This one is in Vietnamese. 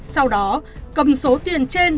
sau đó cầm số tiền trên